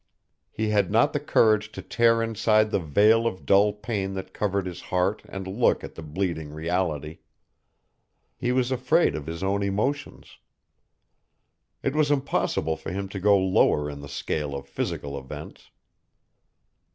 He had not the courage to tear aside the veil of dull pain that covered his heart and look at the bleeding reality. He was afraid of his own emotions. It was impossible for him to go lower in the scale of physical events.